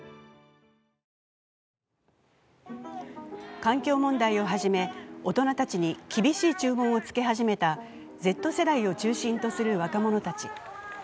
環境問題をはじめ大人たちに厳しい注文をつけ始めたＺ世代を中心とする若者たち。